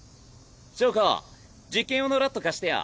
硝子実験用のラット貸してよ。